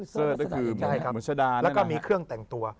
เสิร์จก็คือหมวชดาแล้วก็มีเครื่องแต่งตัว